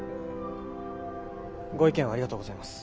ご意見をありがとうございます。